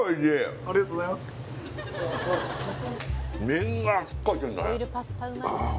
麺がしっかりしてんだねああ